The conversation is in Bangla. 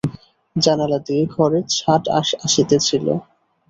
জানালা দিয়ে ঘরে ছাট আসিতেছিল।